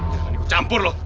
jangan ikut campur lo